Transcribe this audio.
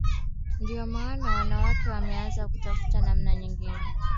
Ndio maana wanawake wameanza kutafuta namna nyingine